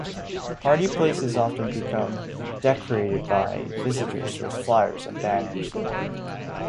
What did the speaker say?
Partyplaces often become decorated by visitors with flyers and banners.